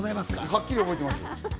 はっきり覚えてます。